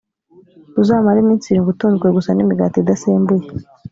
uzamare iminsi irindwi utunzwe gusa n’imigati idasembuye